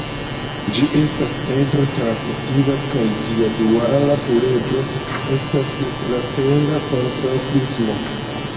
Ĝi estas edro-transitiva kaj ĝia duala pluredro estas seslatera kontraŭprismo.